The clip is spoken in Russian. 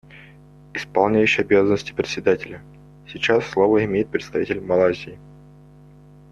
Исполняющий обязанности Председателя: Сейчас слово имеет представитель Малайзии.